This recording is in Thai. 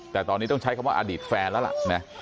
แต่ตอนนี้ต้องใช้คำว่าอดีตแฟนแล้วล่ะนะ